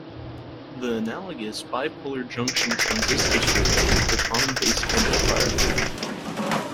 The analogous bipolar junction transistor circuit is the common-base amplifier.